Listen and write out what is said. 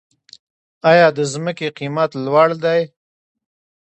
آیا د ځمکې قیمت لوړ دی؟